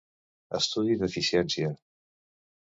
Estudi d'eficiència.